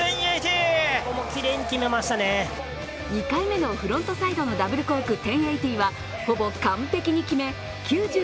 ２回目のフロントサイドのダブルコーク１０８０はほぼ完璧に決め